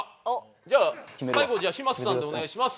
じゃあ最後じゃあ嶋佐さんでお願いします。